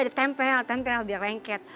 ditempel tempel biar lengket